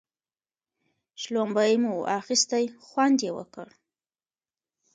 شلومبې مو واخيستې خوند یې وکړ.